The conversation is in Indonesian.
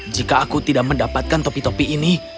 jika aku tidak mendapatkan topi topi ini